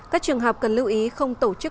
các trường học cần lưu ý không tổ chức